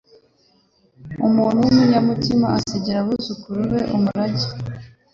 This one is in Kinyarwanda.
Umuntu w’umunyamutima asigira abuzukuru be umurage